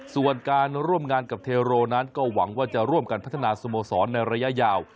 ส่วนการร่วมงานกับเทโรนั้นก็หวังว่าจะร่วมกันพัฒนาสโมสรในระยะยาว